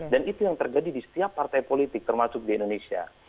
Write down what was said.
dan itu yang terjadi di setiap partai politik termasuk di indonesia